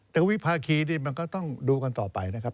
แต่วิภาคีนี่มันก็ต้องดูกันต่อไปนะครับ